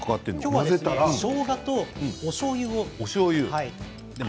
今日はしょうがとおしょうゆを。